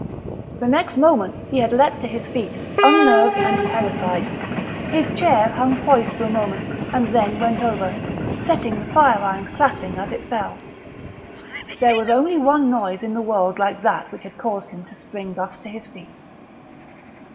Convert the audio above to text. The next moment he had leapt to his feet, unnerved and terrified. His chair hung poised for a moment, and then went over, setting the fire irons clattering as it fell. There was only one noise in the world like that which had caused him to spring thus to his feet....